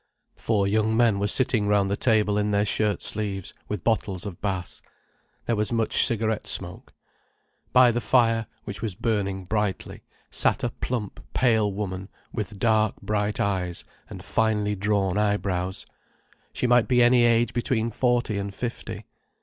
Four young men were sitting round the table in their shirt sleeves, with bottles of Bass. There was much cigarette smoke. By the fire, which was burning brightly, sat a plump, pale woman with dark bright eyes and finely drawn eyebrows: she might be any age between forty and fifty.